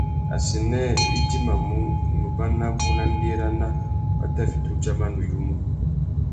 Assênē wá idjimamú, nubá nabú na ndérana, wa tà fiti udjama nuyumu.